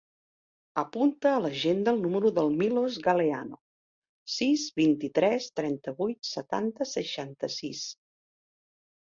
Apunta a l'agenda el número del Milos Galeano: sis, vint-i-tres, trenta-vuit, setanta, seixanta-sis.